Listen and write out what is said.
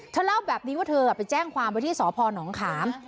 เล่าแบบนี้ว่าเธอไปแจ้งความไว้ที่สพนขาม